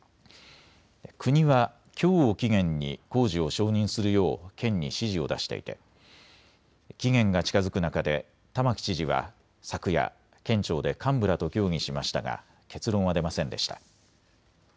国はきょうを期限に工事を承認するよう県に指示を出していて期限が近づく中で玉城知事は昨夜、県庁で幹部らと協議しましたが結論は出ませんでした。